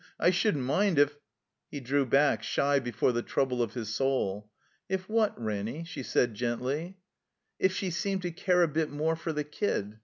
I shouldn't mind, if —" He drew back, shy before the trouble of his soul. "If what, Ranny?" she said, gently. "If she seemed to care a bit more for the kid.